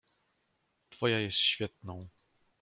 "Twoja jest świetną."